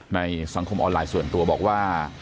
ในสังคมออนไลน์ส่วนตัวบอกว่า